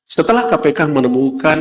setelah kpk menemukan